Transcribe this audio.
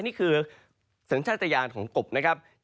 นี่คือสัญญาณของกบนะครับ